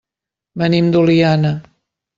Venim d'Oliana.